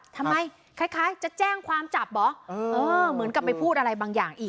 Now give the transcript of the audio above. คล้ายจะแจ้งความจับเหรอเออเหมือนกับไปพูดอะไรบางอย่างอีก